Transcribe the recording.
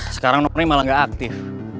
sekarang nomernya malah gak aktif